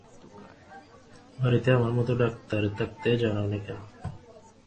বাড়ীতে আমার মতো ডাক্তার থাকতে জানাওনি কেন?